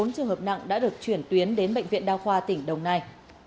bốn trường hợp nặng đã được chuyển tuyến đến bệnh viện đa khoa tỉnh đồng nai